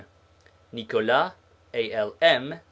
NICOLAS, A. L. M.